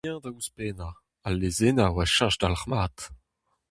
Hag eñ da ouzhpennañ : Al lezennoù a cheñch dalc'hmat.